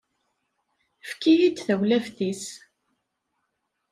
Efk-iyi-d tawlaft-is.